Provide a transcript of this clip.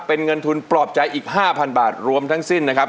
เป็นเงินทุนปลอบใจอีก๕๐๐บาทรวมทั้งสิ้นนะครับ